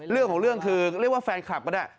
เรื่องของเรื่องคือเรียกว่าแฟนคลับก็ได้